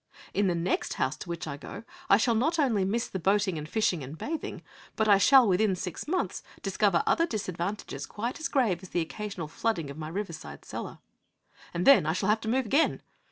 In the next house to which I go I shall not only miss the boating and fishing and bathing, but I shall within six months discover other disadvantages quite as grave as the occasional flooding of my riverside cellar. And then I shall have to move again.